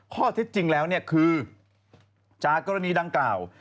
ข้อเท็จจริงแล้วเนี่ยคือจากกรณีดังกล่าว